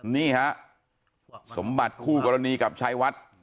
นี่ฮะสมบัติคู่กรณีกับชัยวัด